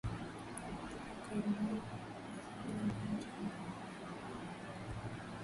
Ukambani na Sagana, hata mbwa wararua,